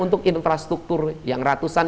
untuk infrastruktur yang ratusan